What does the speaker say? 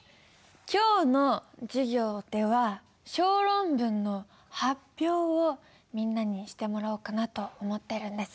今日の授業では小論文の発表をみんなにしてもらおうかなと思ってるんです。